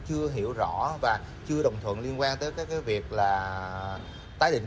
trình bày các ý kiến